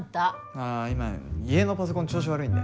ああ今家のパソコン調子悪いんで。